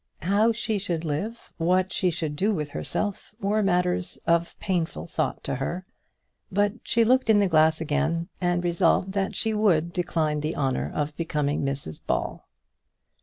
How she should live, what she should do with herself, were matters to her of painful thought; but she looked in the glass again, and resolved that she would decline the honour of becoming Mrs Ball.